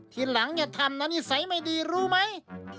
ทีหลังอย่าทำนะนิสัยไม่ดีรู้ไหม